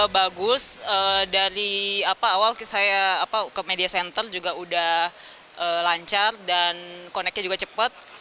bagus dari awal saya ke media center juga udah lancar dan connectnya juga cepat